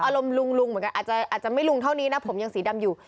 อารมณ์ลุงลุงเหมือนกันอาจจะไม่ลุงเท่านี้นะผมยังสีดำอยู่